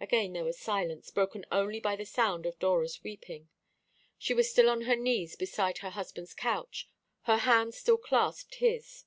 Again there was silence, broken only by the sound of Dora's weeping. She was still on her knees beside her husband's couch; her hand still clasped his.